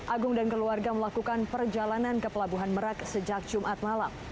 agung dan keluarga melakukan perjalanan ke pelabuhan merak sejak jumat malam